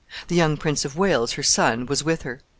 The young Prince of Wales, her son, was with her.